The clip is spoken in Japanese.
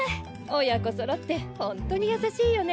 親子そろってホントにやさしいよね。